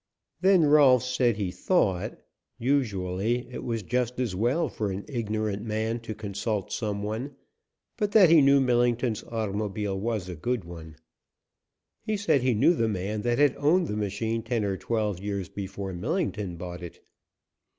Then Rolfs said he thought, usually, it was just as well for an ignorant man to consult some one, but that he knew Millington's automobile was a good one. He said he knew the man that had owned the machine ten or twelve years before Millington bought it.